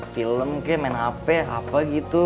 film kayak main hp apa gitu